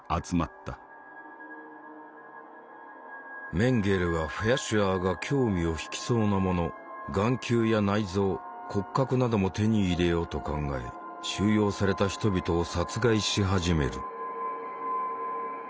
メンゲレはフェアシュアーが興味を引きそうなもの眼球や内臓骨格なども手に入れようと考え収容された人々を殺害し始める。